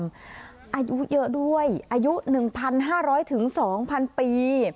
อายุเยอะด้วยอายุหนึ่งพันห้าร้อยถึงสองพันปี